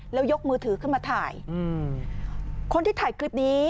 แล้วยกมือถือขึ้นมาถ่ายอืมคนที่ถ่ายคลิปนี้